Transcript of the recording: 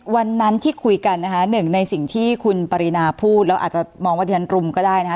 วันนั้นที่คุยกันนะคะหนึ่งในสิ่งที่คุณปรินาพูดแล้วอาจจะมองว่าที่ฉันรุมก็ได้นะคะ